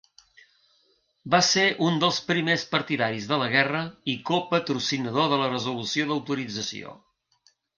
Va ser un dels primers partidaris de la guerra i copatrocinador de la resolució d'autorització.